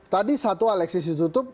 tadi satu alexis ditutup